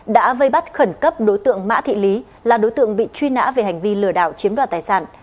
đã vây bắt khẩn cấp đối tượng mã thị lý là đối tượng bị truy nã về hành vi lừa đảo chiếm đoạt tài sản